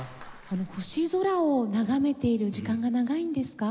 星空を眺めている時間が長いんですか？